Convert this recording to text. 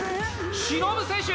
しのぶ選手